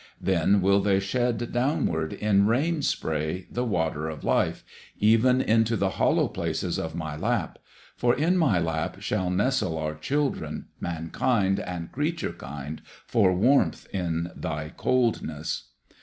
Then will they shed downward, in rain spray, the water of life, even into the hollow places of my lap. For in my lap shall nestle our children, man kind and creature kind, for warmth in thy coldness."